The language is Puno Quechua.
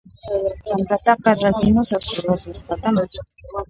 T'antataqa rakimusaq Rosaspataman